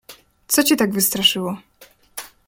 "Co cię tak wystraszyło?"